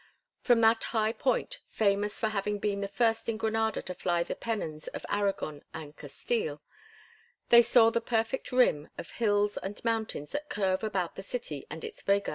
From that high point, famous for having been the first in Granada to fly the pennons of Aragon and Castile, they saw the perfect rim of hills and mountains that curve about the city and its vega.